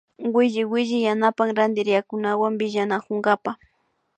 Williwilli yanapan rantiriakkunawan willanakunkapa